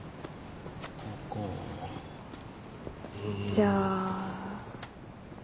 じゃあ。